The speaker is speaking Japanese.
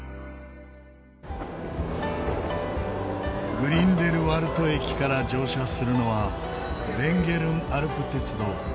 グリンデルワルト駅から乗車するのはヴェンゲルンアルプ鉄道。